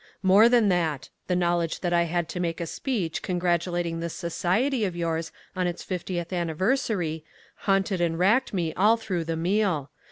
More than that. The knowledge that I had to make a speech congratulating this society of yours on its fiftieth anniversary haunted and racked me all through the meal.